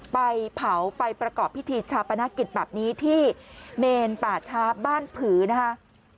ไปเผาไปประกอบพิธีชาปนกิจแบบนี้ที่เมนป่าช้าบ้านผือนะคะ